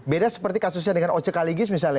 beda seperti kasusnya dengan ocek aligis misalnya